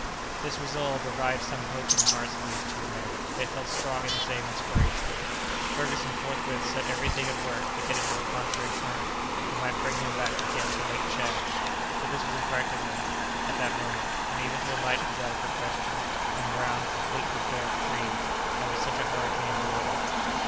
This resolve revived some hope in the hearts of these two men; they felt strong in the same inspiration. Ferguson forthwith set every thing at work to get into a contrary current, that might bring him back again to Lake Tchad; but this was impracticable at that moment, and even to alight was out of the question on ground completely bare of trees, and with such a hurricane blowing.